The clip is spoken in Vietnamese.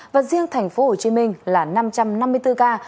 và riêng thành phố hồ chí minh là năm trăm năm mươi bốn ca